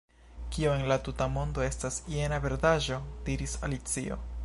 "Kio en la tuta mondo estas jena verdaĵo?" diris Alicio.